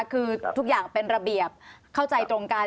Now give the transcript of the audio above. คือทุกอย่างเป็นระเบียบเข้าใจตรงกัน